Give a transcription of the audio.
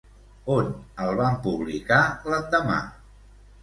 On el van publicar l'endemà?